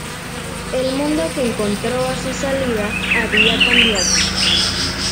El mundo que encontró a su salida había cambiado.